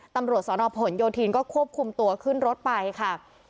ตำรวจสนผลโยธินก็ควบคุมตัวขึ้นรถไปค่ะ